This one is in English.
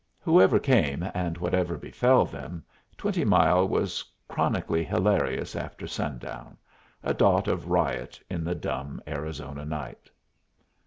Whoever came, and whatever befell them, Twenty Mile was chronically hilarious after sundown a dot of riot in the dumb Arizona night.